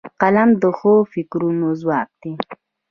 قلم د ښو فکرونو ځواک دی